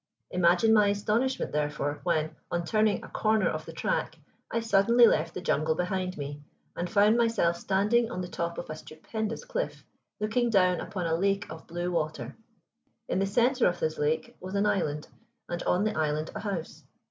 Imagine my astonishment, therefore, when, on turning a corner of the track, I suddenly left the jungle behind me, and found myself standing on the top of a stupendous cliff, looking down upon a lake of blue water. In the center of this lake was an island, and on the island a house.